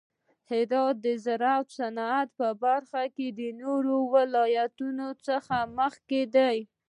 هرات د زراعت او صنعت په برخه کې د نورو ولایتونو څخه مخکې دی.